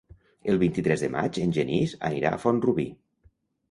El vint-i-tres de maig en Genís anirà a Font-rubí.